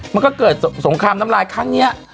มันก็เกิดสงครามน้ำลายครั้งนี้